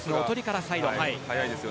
速いです。